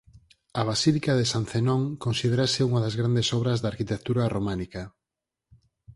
A "Basílica de San Zenón" considérase unha das grandes obras da arquitectura románica.